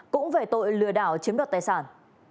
cũng về tội lừa đảo chiếm đoạt tài sản